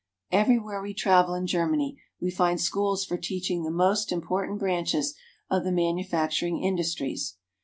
Everywhere we travel in Germany we find schools for teaching the more important branches of the manufactur ing industries.